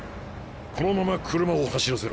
このまま車を走らせろ。